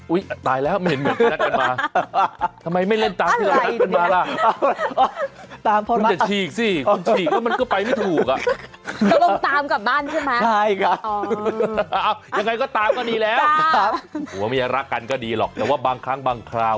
อุ๊ยตายแล้วแหม่นไงทุกคนาทับมาทำไมไม่เล่นตามที่ร้านคลาโอเคลานำมาล่ะ